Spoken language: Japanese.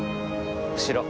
後ろ。